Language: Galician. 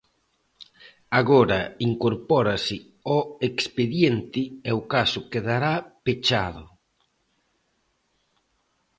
Agora incorpórase ao expediente e o caso quedará pechado.